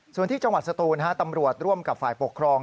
ส่วนที่จังหวัดสตูนตำรวจร่วมกับฝ่ายปกครอง